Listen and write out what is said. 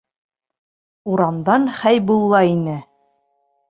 Урамдан Хәйбулла инә.